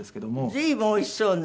随分おいしそうな。